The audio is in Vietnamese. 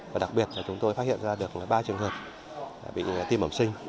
và đặc biệt là chúng tôi phát hiện ra được ba trường hợp bị tim bẩm sinh